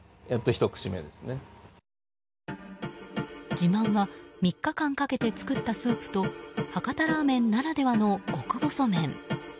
自慢は３日間かけて作ったスープと博多ラーメンならではの極細麺。